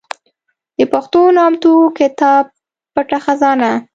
د پښتو نامتو کتاب پټه خزانه